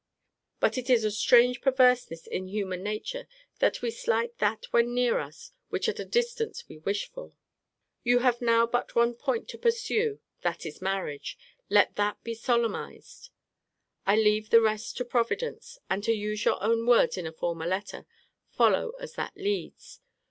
But it is a strange perverseness in human nature that we slight that when near us which at a distance we wish for. You have now but one point to pursue: that is marriage: let that be solemnized. Leave the rest to Providence, and, to use your own words in a former letter, follow as that leads.